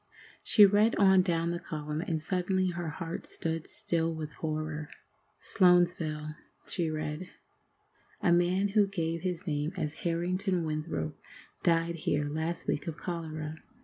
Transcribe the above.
She read on down the column, and suddenly her heart stood still with horror. "SLOANSVILLE [she read]. A man who gave his name as Harrington Winthrop died here last week of cholera.